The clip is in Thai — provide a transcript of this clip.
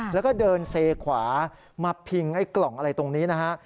แล้วก็เดินเซขวามาพิงไอ้กล่องอะไรตรงนี้นะฮะ